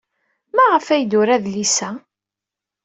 Maɣef ay d-tura adlis-a?